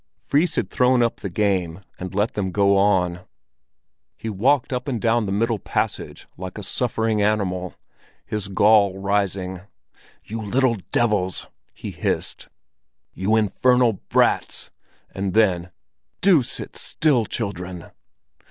Fris had thrown up the game, and let them go on. He walked up and down the middle passage like a suffering animal, his gall rising. "You little devils!" he hissed; "You infernal brats!" And then, "Do sit still, children!"